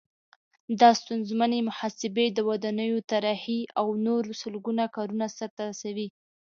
دا ستونزمنې محاسبې، د ودانیو طراحي او نور سلګونه کارونه سرته رسوي.